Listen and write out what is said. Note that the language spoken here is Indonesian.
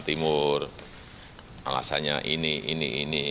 timur alasannya ini ini ini